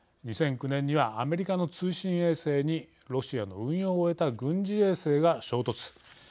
２００９年にはアメリカの通信衛星にロシアの運用を終えた軍事衛星が衝突。